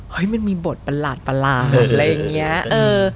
มันมีบทประหลาดอะไรอย่างนี้